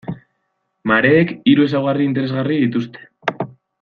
Mareek hiru ezaugarri interesgarri dituzte.